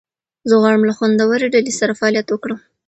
زه غواړم له خوندورې ډلې سره فعالیت وکړم.